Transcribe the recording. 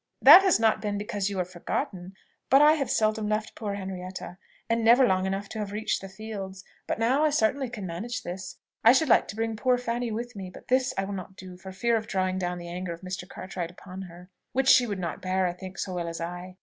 "That has not been because you were forgotten; but I have seldom left poor Henrietta, and never long enough to have reached the fields. But now I certainly can manage this. I should like to bring poor Fanny with me: but this I will not do, for fear of drawing down the anger of Mr. Cartwright upon her which she would not bear, I think, so well as I.